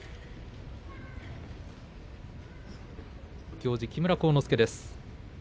行司は木村晃之助です。